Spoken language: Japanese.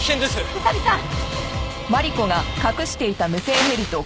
宇佐見さん！